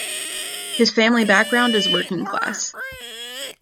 His family background is working class.